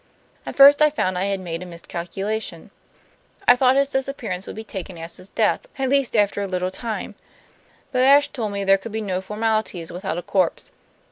"At first I found I had made a miscalculation. I thought his disappearance would be taken as his death, at least after a little time; but Ashe told me there could be no formalities without a corpse.